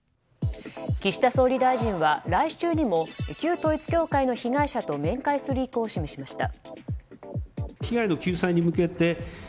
岸田総理大臣は来週にも旧統一教会の被害者と面会する意向を示しました。